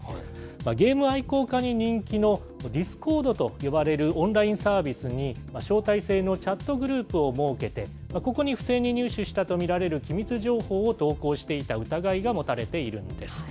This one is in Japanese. ゲーム愛好家に人気の、ディスコードと呼ばれるオンラインサービスに招待制のチャットグループを設けて、ここに、不正に入手したと見られる機密情報を投稿していた疑いが持たれているんです。